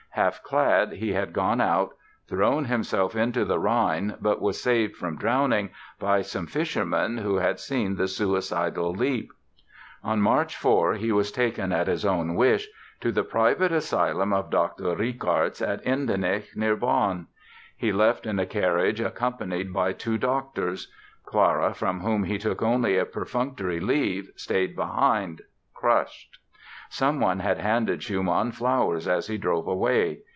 Half clad, he had gone out, thrown himself into the Rhine but was saved from drowning by some fishermen who had seen the suicidal leap. On March 4 he was taken at his own wish to the private asylum of Dr. Richarz at Endenich, near Bonn. He left in a carriage accompanied by two doctors. Clara, from whom he took only a perfunctory leave, stayed behind, crushed. Someone had handed Schumann flowers as he drove away.